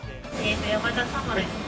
山田様ですね。